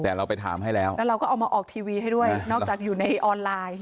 แต่เราไปถามให้แล้วแล้วเราก็เอามาออกทีวีให้ด้วยนอกจากอยู่ในออนไลน์